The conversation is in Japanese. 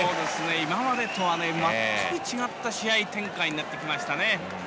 今までとは全く違った試合展開になってきましたね。